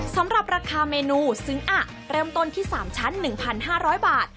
สำหรับราคาเมนูซึ้งอะเริ่มต้นที่๓ชั้น๑๕๐๐บาท